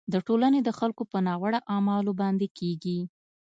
د ټولنې د خلکو په ناوړه اعمالو باندې کیږي.